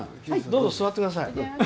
どうぞ座ってください。